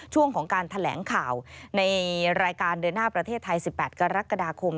ช่วงของการแถลงข่าวในรายการเดินหน้าประเทศไทย๑๘กรกฎาคม